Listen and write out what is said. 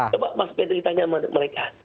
coba mas pedri tanya sama mereka